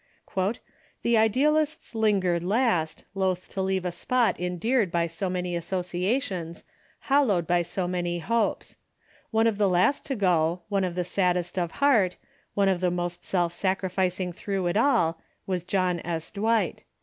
" The idealists lingered last, loath to leave a spot endeared by so many associations, hallowed by so many hopes. One of the last to go, one of the saddest of heart, one of the most self sacrificing through it all, was John S. Dwight.